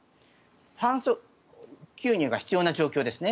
酸素吸入が必要な状況ですね。